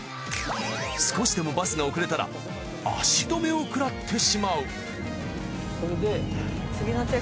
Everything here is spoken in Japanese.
少しでもバスが遅れたら足止めをくらってしまう。